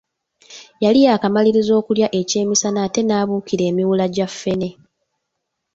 Yali yaakamaliriza okulya ekyemisana ate n’abuukira emiwuula gya ffene.